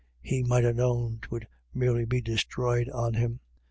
He might ha' known 'twould merely be disthroyed on him.